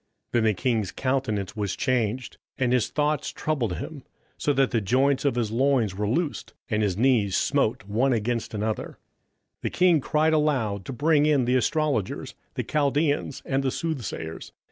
27:005:006 Then the king's countenance was changed, and his thoughts troubled him, so that the joints of his loins were loosed, and his knees smote one against another. 27:005:007 The king cried aloud to bring in the astrologers, the Chaldeans, and the soothsayers.